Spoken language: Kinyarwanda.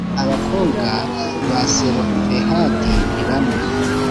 abakobwa ba Selofehadi ni bane